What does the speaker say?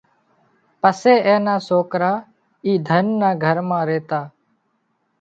پسي اين نا سوڪرا اي ڌنَ نا گھر مان ريتا